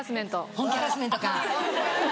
本気ハラスメントか。